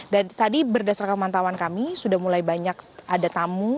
dan tadi berdasarkan pemantauan kami sudah mulai banyak ada tamu